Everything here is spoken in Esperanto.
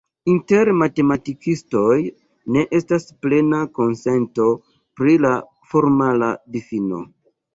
Inter matematikistoj ne estas plena konsento pri la formala difino.